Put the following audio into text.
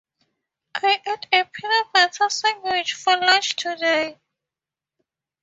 I ate a peanut butter sandwich for lunch today.